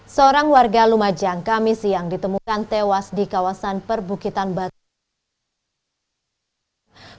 seorang warga lumajang kamis siang ditemukan tewas di kawasan perbukitan batu langgar lumajang